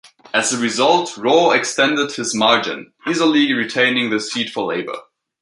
As a result, Rau extended his margin, easily retaining the seat for Labor.